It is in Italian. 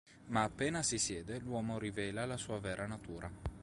Ma appena si siede, l'uomo rivela la sua vera natura.